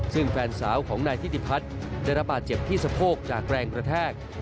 ซึ่งแฟนสาวของนายทิติพัฒน์ได้รับบาดเจ็บที่สะโพกจากแรงกระแทก